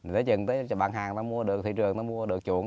thế chừng tới bàn hàng nó mua được thị trường nó mua được chuộng